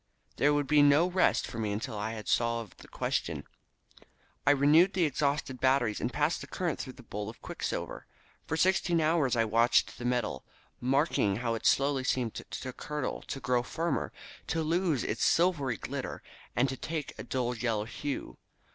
There would be no rest for me until I had solved the question. I renewed the exhausted batteries and passed the current through the bowl of quicksilver. For sixteen hours I sat watching the metal, marking how it slowly seemed to curdle, to grow firmer, to lose its silvery glitter and to take a dull yellow hue.